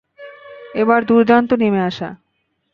এবার দুর্দান্ত নেমে আসা!